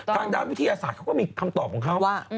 ทางด้านวิทยาศาสตร์เขาก็มีคำตอบของเขาว่า